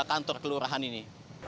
kantor kelurahan ini